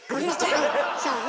そうね。